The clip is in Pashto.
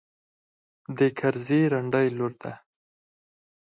د کرزي رنډۍ لور ده.